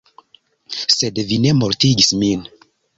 Sed vi ne mortigis min.